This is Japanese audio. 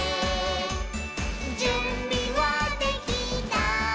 「じゅんびはできた？